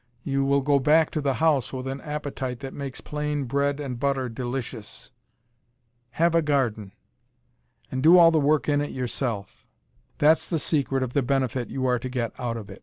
You will go back to the house with an appetite that makes plain bread and butter delicious. Have a garden. And do all the work in it yourself. That's the secret of the benefit you are to get out of it.